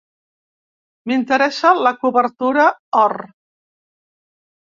M'interessa la cobertura Or.